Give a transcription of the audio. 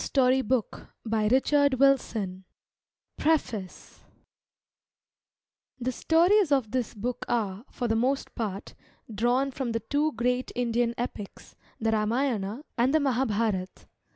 TORONTO COPYRIGHT COPYRIGHT PREFACE THE stories of this book are, for the most part, drawn from the two great Indian epics, the Ramayana and the Mdliabharata.